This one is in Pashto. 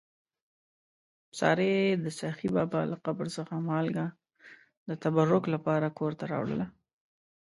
سارې د سخي بابا له قبر څخه مالګه د تبرک لپاره کور ته راوړله.